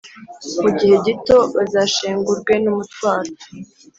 mu gihe gito bazashengurwe n’umutwaro